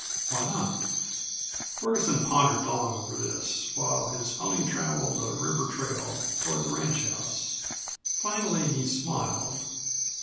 Why not? Ferguson pondered long over this, while his pony traveled the river trail toward the ranchhouse. Finally he smiled.